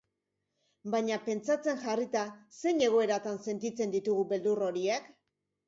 Baina pentsatzen jarrita, zein egoeratan sentitzen ditugu beldur horiek?